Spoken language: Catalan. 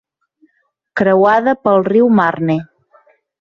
Creuada pel riu Marne.